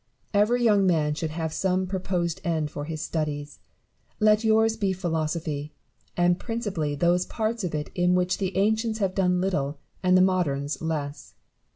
Every young man should have some proposed end for his studies : let yours be philosophy ; and principally those parts of it in which the ancients have done little and the moderns less.